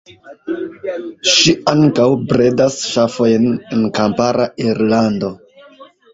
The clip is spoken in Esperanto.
Ŝi ankaŭ bredas ŝafojn en kampara Irlando.